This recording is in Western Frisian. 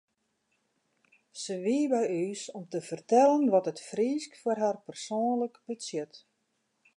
Se wie by ús om te fertellen wat it Frysk foar har persoanlik betsjut.